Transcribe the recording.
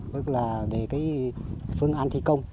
tức là về cái phương án thi công